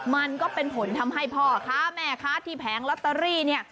มันก็เป็นผลทำให้พ่อค้าแม่ค้าที่แผงลอตเตอรี่เนี่ย